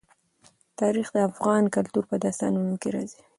تاریخ د افغان کلتور په داستانونو کې راځي.